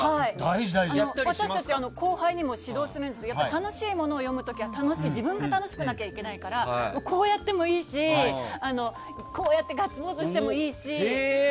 私たち後輩にも指導するんですが楽しいものを読むときは自分が楽しくなきゃいけないからこうやってもいいしガッツポーズしてもいいし。